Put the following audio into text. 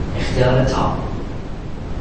اختیار تام